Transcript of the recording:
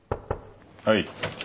はい。